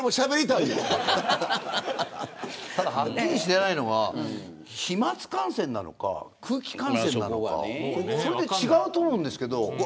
ただ、はっきりしていないのが飛沫感染なのか空気感染なのかそれで違うと思うんですけれど。